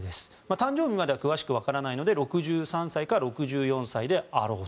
誕生日までは詳しく分からないので６３歳から６４歳だろう。